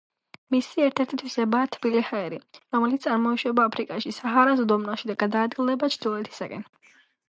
მისი ერთ-ერთი თვისებაა თბილი ჰაერი, რომელიც წარმოიშვება აფრიკაში, საჰარას უდაბნოში და გადაადგილდება ჩრდილოეთისაკენ.